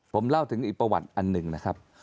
ผมเล่าถึงอีกประวัติอันหนึ่งนะครับ